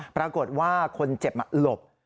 ปรากฏว่าคนเจ็บหลบ